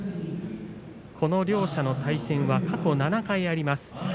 この両者の対戦は過去７回あります。